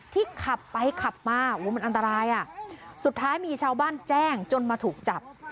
ขับไปขับมามันอันตรายอ่ะสุดท้ายมีชาวบ้านแจ้งจนมาถูกจับ